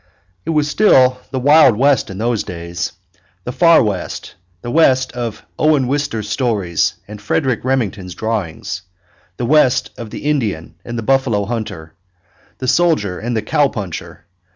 It was still the Wild West in those days, the Far West, the West of Owen Wister's stories and Frederic Remington's drawings, the West of the Indian and the buffalo hunter, the soldier and the cow puncher.